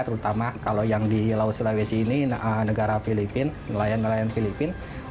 terutama kalau yang di laut sulawesi ini negara filipina nelayan nelayan filipina